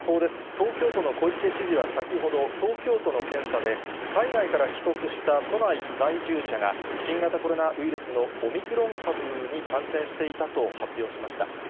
東京都の小池知事は先ほど、東京都の検査で、海外から帰国した都内在住者が、新型コロナウイルスのオミクロン株に感染していたと発表しました。